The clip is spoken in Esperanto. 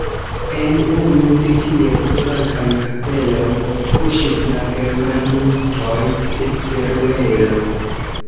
En unu de ties flankaj kapeloj kuŝis la Geamantoj de Teruelo.